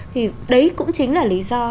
thì đấy cũng chính là lý do